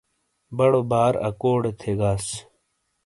بڑو بار اکوڑے تھیگاس۔